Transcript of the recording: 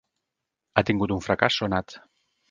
Ha tingut un fracàs sonat.